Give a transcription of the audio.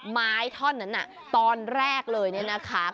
ไม้ท่อนนั้นน่ะตอนแรกเลยเนี่ยนะคะ